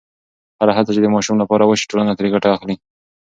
هره هڅه چې د ماشوم لپاره وشي، ټولنه ترې ګټه اخلي.